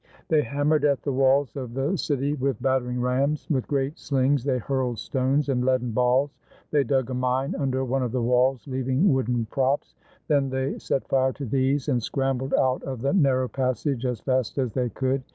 They hammered at the walls of the city with battering rams. With great slings they hurled stones and leaden balls. They dug a mine under one of the walls, leaving wooden props. Then they set fire to these and scrambled out of the narrow passage as fast as they could.